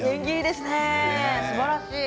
すばらしい。